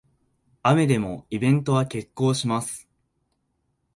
雨でもイベントは決行します